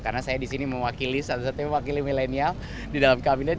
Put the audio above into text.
karena saya di sini mewakili satu satunya mewakili milenial di dalam kabinet